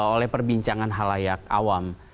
oleh perbincangan halayak awam